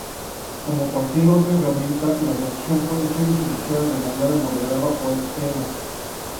Como cualquier otra herramienta, la reducción puede ser utilizada de manera moderada o extrema.